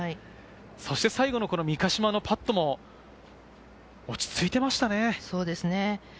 そして最後の三ヶ島のパット、落ち着いていましたね。